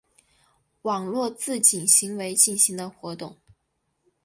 网络自警行为进行的活动。